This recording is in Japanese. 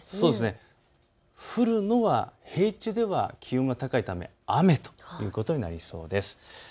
降るのは平地では気温が高いため雨ということになりそうです。